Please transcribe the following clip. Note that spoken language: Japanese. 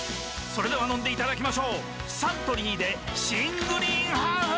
それでは飲んでいただきましょうサントリーで新「グリーンハーフ」！